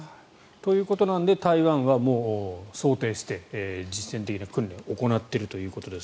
ということなので台湾はもう想定して実戦的な訓練を行っているということです。